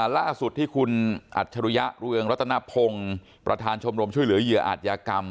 ล่าสุดที่คุณอัจฉริยะเรืองรัตนพงศ์ประธานชมรมช่วยเหลือเหยื่ออาจยากรรม